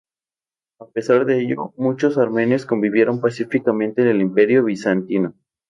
A pesar de ello, muchos armenios convivieron pacíficamente en el Imperio bizantino.